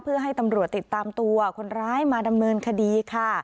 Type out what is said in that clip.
เพื่อให้ตำรวจติดตามตัวคนร้ายมาดำเนินคดีค่ะ